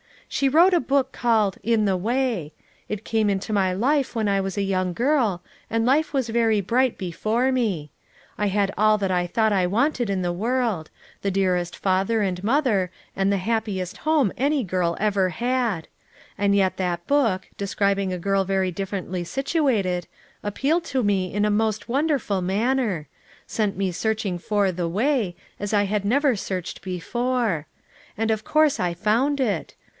She wrote a book called 'In The Way.' It came into my life when I was a young girl, and life was very bright before me; I had all that I thought I wanted in the world; the dearest father and mother and the happiest home any girl ever had; and yet that book, describing a girl very differently situated, appealed to me in the most FOUE MOTHERS AT CHAUTAUQUA 405 wonderful manner 1 sent me searching for 'the Way/ as I had never searched before; and of course I found it.